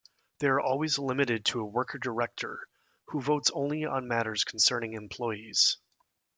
They are always limited to a Worker-Director, who votes only on matters concerning employees.